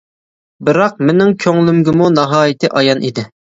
بىراق مېنىڭ كۆڭلۈمگىمۇ ناھايىتى ئايان ئىدى.